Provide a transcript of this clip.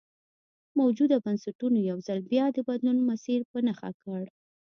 موجوده بنسټونو یو ځل بیا د بدلون مسیر په نښه کړ.